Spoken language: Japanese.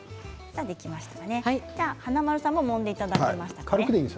華丸さんももんでいただきましたか？